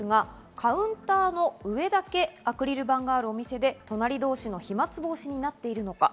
カウンターの上だけアクリル板があるお店で隣同士の飛沫防止になっているのか。